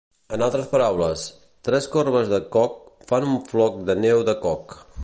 En altres paraules, tres corbes de Koch fan un floc de neu de Koch.